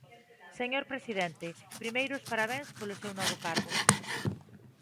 Señor presidente, primeiro os parabéns polo seu novo cargo.